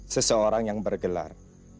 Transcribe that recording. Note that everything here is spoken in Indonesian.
seseorang yang bergelar